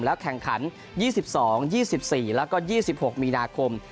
แล้วแข่งขันยี่สิบสองยี่สิบสี่แล้วก็ยี่สิบหกมีนาคม